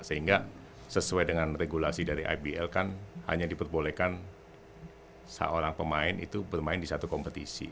sehingga sesuai dengan regulasi dari ibl kan hanya diperbolehkan seorang pemain itu bermain di satu kompetisi